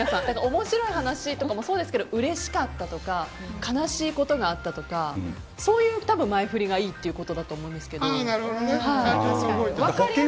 面白い話とかもそうですがうれしかったとか悲しいことがあったとかそういう前フリがいいってことだと思うんですけど。